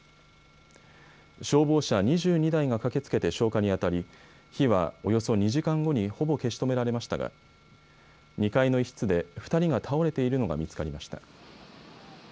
消防車２２台が駆けつけて消火にあたり火はおよそ２時間後にほぼ消し止められましたが２階の一室で２人が倒れているのが見つかりました。